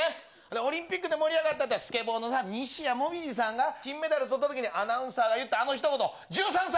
オリンピックで盛り上がったっていったら、スケボーの西矢椛さんがね、金メダルとったときに、アナウンサーが言ったあのひと言、１３歳。